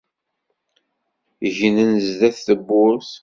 Gnen sdat tewwurt.